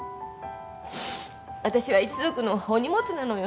あたしは一族のお荷物なのよ。